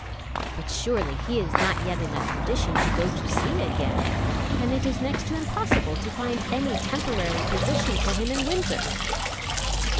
"But surely he is not yet in a condition to go to sea again, and it is next to impossible to find any temporary position for him in Windsor."